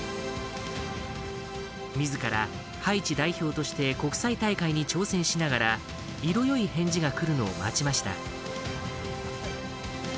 みずからハイチ代表として国際大会に挑戦しながら色よい返事が来るのを待ちました。